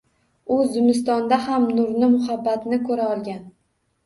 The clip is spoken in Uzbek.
U zimistonda ham nurni, muhabbatni ko‘ra olgan